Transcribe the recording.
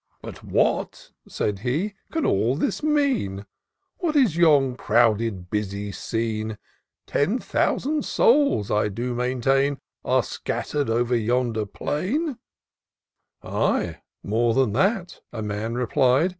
" But what," said he, " can all this mean ? What is yon crowded busy .scene ? Ten thousand souls, I do maintain, Are scattered over yonder plain," " Ay, more than that," a man replied.